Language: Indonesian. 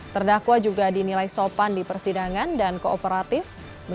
terdakwa juga dinilai sopan di persidangan dan kooperatif